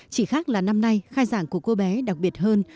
chỉ khác là năm nay khai giảng của cô bé đặc biệt hơn